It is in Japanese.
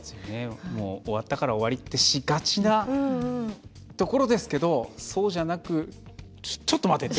終わったから終わりってしがちなところですけどそうじゃなく、ちょっと待てと。